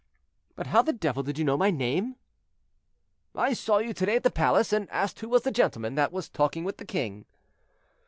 "But how the devil did you know my name?" "I saw you to day at the palace, and asked who was the gentleman that was talking with the king."